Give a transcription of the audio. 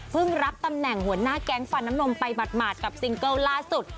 รับตำแหน่งหัวหน้าแก๊งฟันน้ำนมไปหมาดกับซิงเกิลล่าสุด